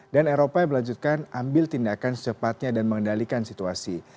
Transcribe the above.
dan eropa yang melanjutkan ambil tindakan secepatnya dan mengendalikan situasi